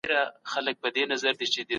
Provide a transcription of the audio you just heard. خپلي اصلي غوښتنې وپیژنه.